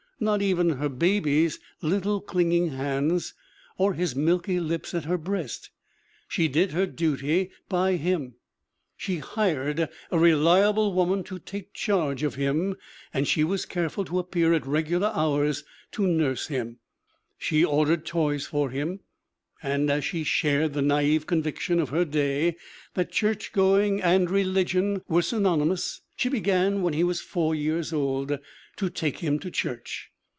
Not even her baby's little clinging hands, or his milky lips at her breast. She did her duty by 82 THE WOMEN WHO MAKE OUR NOVELS him; she hired a reliable woman to take charge of him, and she was careful to appear at regular hours to nurse him. She ordered toys for him, and as she shared the nai've conviction of her day that church going and religion were synonymous, she began, when he was four years old, to take him to church.